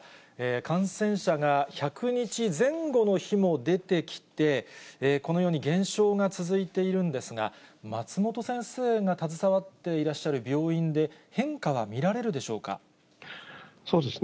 感染者が１００前後の日も出てきて、このように減少が続いているんですが、松本先生が携わっていらっしゃる病院で、変化は見られそうですね。